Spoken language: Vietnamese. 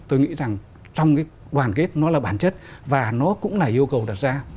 tôi nghĩ rằng trong cái đoàn kết nó là bản chất và nó cũng là yêu cầu đặt ra